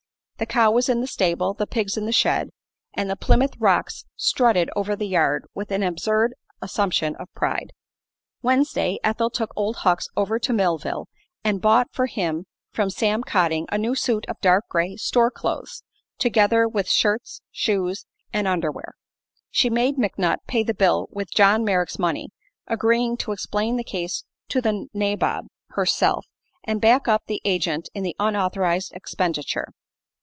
The cow was in the stable, the pigs in the shed, and the Plymouth Rocks strutted over the yard with an absurd assumption of pride. Wednesday Ethel took Old Hucks over to Millville and bought for him from Sam Cotting a new suit of dark gray "store clothes," together with shirts, shoes and underwear. She made McNutt pay the bill with John Merrick's money, agreeing to explain the case to "the nabob" herself, and back up the agent in the unauthorized expenditure.